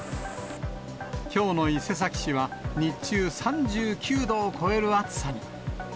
きょうの伊勢崎市は、日中３９度を超える暑さに。